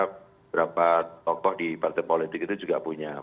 beberapa tokoh di partai politik itu juga punya